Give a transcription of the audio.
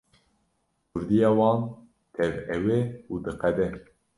Kurdiya wan tev ew e û diqede.